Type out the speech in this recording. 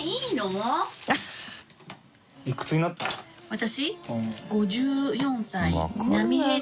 私？